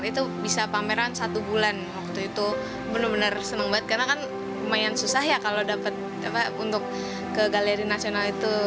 itu bisa pameran satu bulan waktu itu benar benar senang banget karena kan lumayan susah ya kalau dapat untuk ke galeri nasional itu